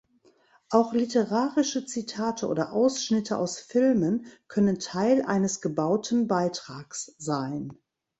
Auch literarische Zitate oder Ausschnitte aus Filmen können Teil eines gebauten Beitrags sein.